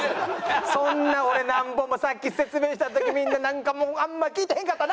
そんな俺なんぼもさっき説明した時みんななんかもうあんま聞いてへんかったな！